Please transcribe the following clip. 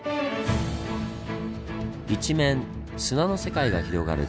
一面砂の世界が広がる